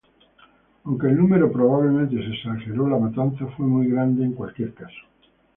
Aunque el número probablemente se exageró, la matanza fue muy grande en cualquier caso.